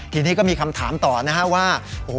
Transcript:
ทีนี้ก็มีคำถามต่อนะฮะว่า